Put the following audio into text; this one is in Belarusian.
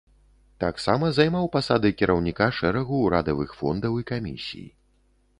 Таксама займаў пасады кіраўніка шэрагу ўрадавых фондаў і камісій.